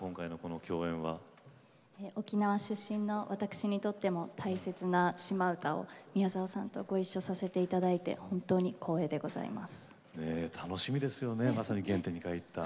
沖縄出身の私にとっても大切な「島唄」を宮沢さんとごいっしょさせていただいて本当に光栄でございます。